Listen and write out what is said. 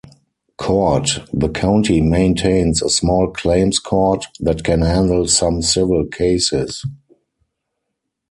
Court: The county maintains a small claims court that can handle some civil cases.